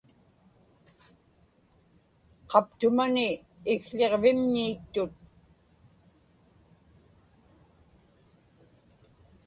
qaptumani ikł̣iġvimñi ittut